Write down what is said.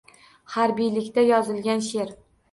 Harbiylikda yozilgan she’r